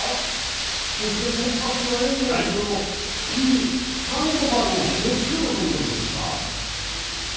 そして先発のエンゼルスのＰ・サンドバルという人気をつけろということですか？